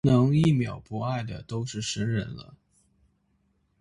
能一秒不爱的都是神人了